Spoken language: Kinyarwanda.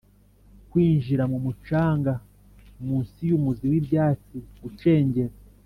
kwinjira mu mucanga munsi yumuzi wibyatsi, gucengera